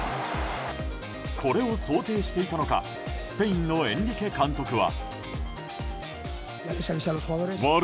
これを想定していたのかスペインのエンリケ監督は。